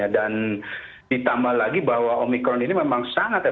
dan ditambah lagi bahwa omikron ini kita sudah terdeteksi